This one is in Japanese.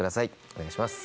お願いします。